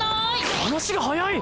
話が早い！